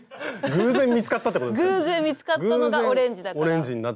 偶然見つかったのがオレンジだから。